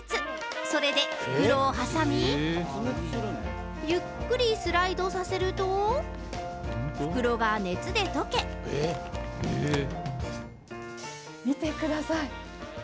それで袋を挟み、ゆっくりスライドさせると、見てください。